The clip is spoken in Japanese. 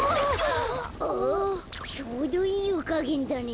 ちょうどいいゆかげんだね。